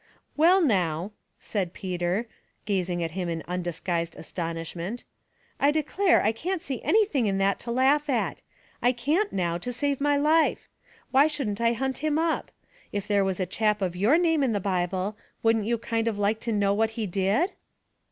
" Well, now,'* said Peter, gazing at him in undisguised astonishment ; "I declare I can't see anything in that to laugh at. I can't, now, to save my life. Why shouldn't I hunt him up? If there was a chap of your name in the Bi ble, wouldn't you kind of like to know what he did